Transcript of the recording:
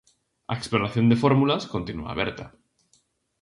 A exploración de fórmulas continúa aberta.